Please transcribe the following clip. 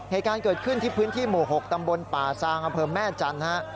เหตุการณ์เกิดขึ้นที่พื้นที่หมู่๖ตำบลป่าซางอำเภอแม่จันทร์ฮะ